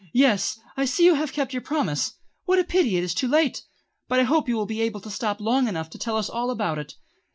"Yes, I see you have kept your promise. What a pity it is too late! But I hope you will be able to stop long enough to tell us all about it.